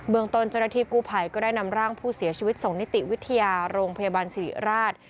เมืองต้นเจ้าหน้าที่กู้ภัยก็ได้นำร่างผู้เสียชีวิตส่งนิติวิทยาโรงพยาบาลสิริราช